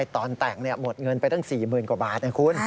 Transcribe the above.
ตอนแต่งหมดเงินไปตั้ง๔๐๐๐กว่าบาทนะคุณ